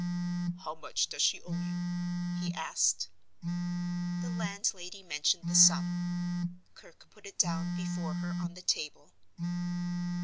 "How much does she owe you?" he asked. The landlady mentioned the sum. Kirke put it down before her on the table.